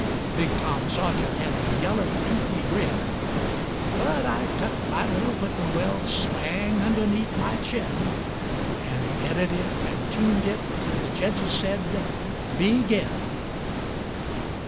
Big Tom Sergeant had a yaller toothy grin, But I tucked my little whippoorwill spang underneath my chin, An' petted it an' tuned it till the jedges said, 'Begin!'